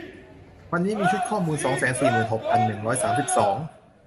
วันนี้มีชุดข้อมูล สองแสนสี่หมื่นหกพันหนึ่งร้อยสามสิบสอง